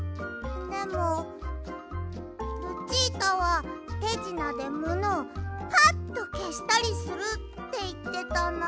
でもルチータはてじなでものをパッとけしたりするっていってたな。